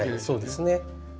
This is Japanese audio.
そうですね。